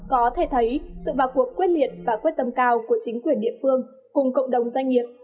có thể thấy sự vào cuộc quyết liệt và quyết tâm cao của chính quyền địa phương cùng cộng đồng doanh nghiệp